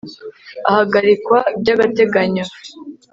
ahagarikwa byagateganyo